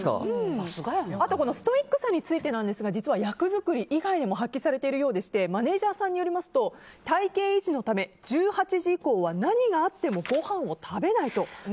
ストイックさについてですが実は役作り以外でも発揮されているようでマネジャーさんによると体形維持のために１８時以降は何があってもごはんを食べないと。